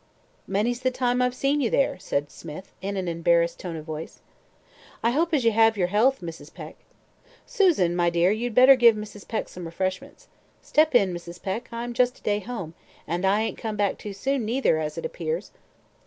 "Many's the time I've seen you there," said Smith, in an embarrassed tone of voice. "I hope as how you have your health, Mrs. Peck. Susan, my dear, you'd better give Mrs. Peck some refreshments. Step in, Mrs. Peck, I'm just a day home, and I ain't come back too soon, neither, as it appears.